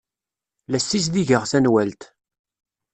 La ssizdigeɣ tanwalt.